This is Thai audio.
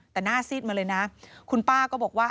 แต่หน้าซีดมาเลยนะคุณป้าก็บอกว่า